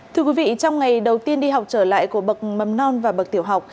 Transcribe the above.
thưa quý vị trong ngày đầu tiên đi học trở lại của bậc mầm non và bậc tiểu học